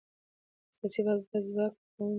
سیاسي واک باید ځواب ورکوونکی وي